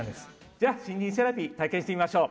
じゃあ、森林セラピー体験してみましょう。